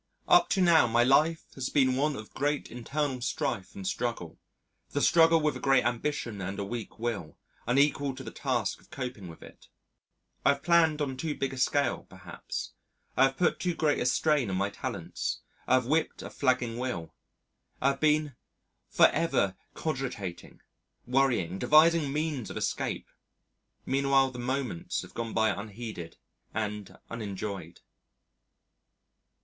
Up to now my life has been one of great internal strife and struggle the struggle with a great ambition and a weak will unequal to the task of coping with it. I have planned on too big a scale, perhaps. I have put too great a strain on my talents, I have whipped a flagging will, I have been for ever cogitating, worrying, devising means of escape. Meanwhile, the moments have gone by unheeded and unenjoyed.